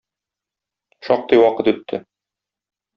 Шактый вакыт үтте.